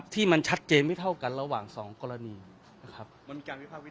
ที่มันชัดเจนไม่เท่ากันระหว่างสองกรณี